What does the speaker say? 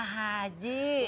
terima kasih pak